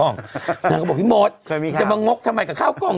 นางก็บอกพี่โหมดจะมางกทำไมกับเข้ากล่อง